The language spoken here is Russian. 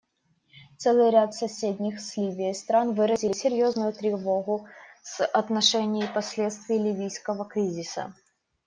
Целый ряд соседних с Ливией стран выразили серьезную тревогу в отношении последствий ливийского кризиса.